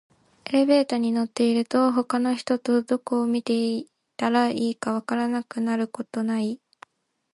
エレベーターに乗ってると、他の人とどこを見ていたらいいか分からなくなることない？